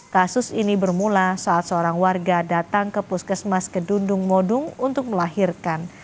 kasus ini bermula saat seorang warga datang ke puskesmas kedundung modung untuk melahirkan